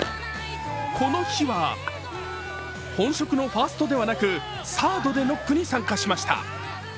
この日は、本職のファーストではなくサードでノックに参加しました。